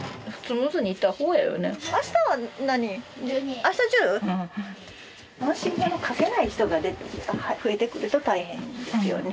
問診票の書けない人が増えてくると大変ですよね。